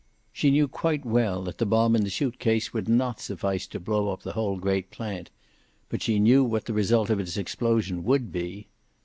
She knew quite well that the bomb in the suit case would not suffice to blow up the whole great plant. But she knew what the result of its explosion would be.